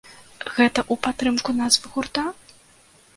Гэта ў падтрымку назвы гурта?